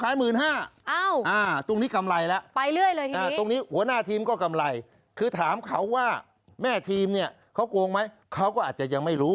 ยูขายได้เท่าไรก็เอาส่วนต่างไปเลย